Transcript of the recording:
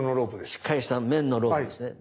しっかりした綿のロープですね。